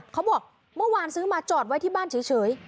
เขาบอกเมื่อวานซื้อมาจอดไว้ที่บ้านเฉย